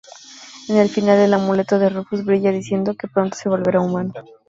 En el final el amuleto de Rufus brilla diciendo que pronto se volverá humano.